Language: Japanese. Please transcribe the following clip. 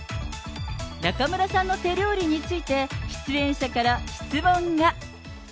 中村さんの手料理について、出演者から質問が。